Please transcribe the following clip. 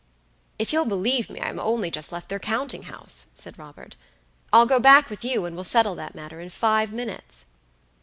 "If you'll believe me, I've only just left their counting house," said Robert. "I'll go back with you, and we'll settle that matter in five minutes."